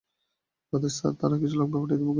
Radhe sir, আর কিছু লাগবে পাঠিয়ে দিবো কি?